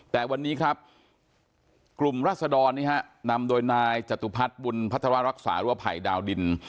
แต่วันนี้ครับกลุ่มรัศดรนำโดยนายจตุพัฒน์บุญพัฒนารักษาหรือว่าภัยดาวดิน